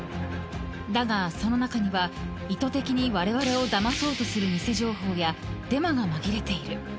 ［だがその中には意図的にわれわれをだまそうとする偽情報やデマが紛れている］